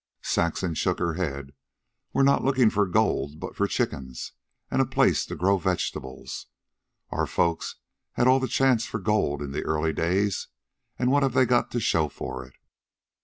Saxon shook her head. "We're not looking for gold but for chickens and a place to grow vegetables. Our folks had all the chance for gold in the early days, and what have they got to show for it?"